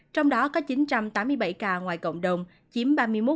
trong đó có chín trăm tám mươi bảy ca ngoài cộng đồng chiếm ba mươi một ba mươi năm